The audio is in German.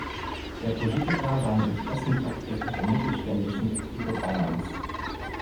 Der Politiker war ein Interessenvertreter der mittelständischen Betriebe Bayerns.